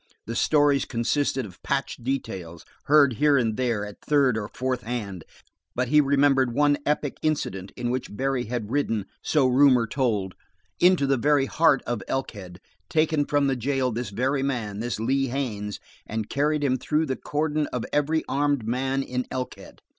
The stories consisted of patched details, heard here and there at third or fourth hand, but he remembered one epic incident in which Barry had ridden, so rumor told, into the very heart of Elkhead, taken from the jail this very man, this Lee Haines, and carried him through the cordon of every armed man in Elkhead.